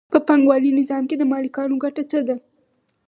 په پانګوالي نظام کې د مالکانو ګټه څه ده